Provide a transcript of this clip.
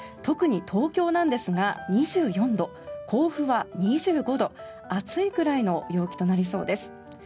特に東京なんですが２４度甲府は２５度暑いくらいの陽気となりそうです。